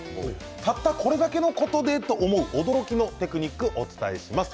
たったこれだけのことで？と思う驚きのテクニックをお伝えします。